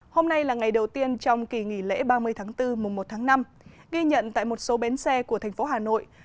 hôm nay là ngày đầu tiên trong kỳ nghỉ lễ ba mươi tháng bốn mùa một tháng năm ghi nhận tại một số bến xe của thành phố hà nội